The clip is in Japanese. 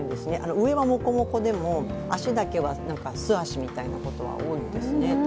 上はもこもこでも、足だけは素足みたいなことは多いですね。